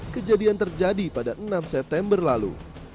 kejadian terjadi pada enam september lalu